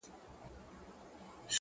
روښانه ذهن روښانه انتخاب کوي!